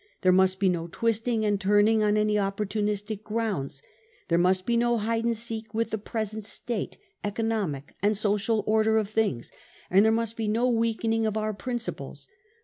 There must be no twisting and turning on any opportunist grounds, there must be no hide and seek with the present State, econo rrtic and social order of things, and there must be no weakening of our principles.